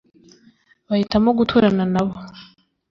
bahitamo guturana nabo,